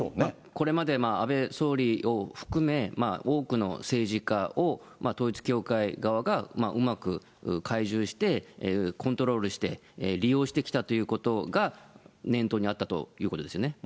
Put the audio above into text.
これまで安倍総理を含め、多くの政治家を統一教会側がうまく懐柔してコントロールして利用してきたということが念頭にあったということですよね。